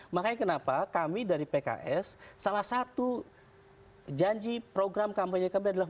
makanya kenapa kami dari pks salah satu janji program kampanye kami adalah